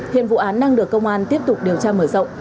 hiện vụ án đang được công an tiếp tục điều tra mở rộng